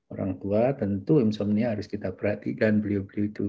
orang tua tentu insomnia harus kita perhatikan beliau beliau itu